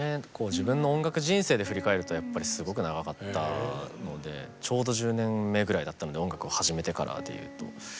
自分の音楽人生で振り返るとやっぱりすごく長かったのでちょうど１０年目ぐらいだったので音楽を始めてからでいうと。